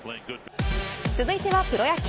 続いてはプロ野球。